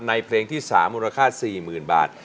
เพลงที่๓มูลค่า๔๐๐๐บาท